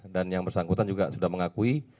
dan yang bersangkutan juga sudah mengakui